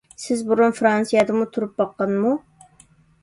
سىز بۇرۇن فىرانسىيەدىمۇ تۇرۇپ باققانما؟